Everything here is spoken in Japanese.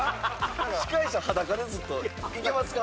司会者裸でずっといけますか？